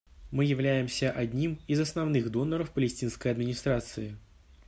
Мы являемся одним из основных доноров Палестинской администрации.